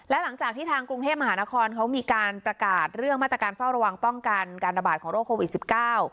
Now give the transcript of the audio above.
และหลังจากที่ทางกรุงเทพมหานครเขามีการประกาศเรื่องมาตรการเฝ้าระวังป้องกันการระบาดของโรคโควิดสิบเก้า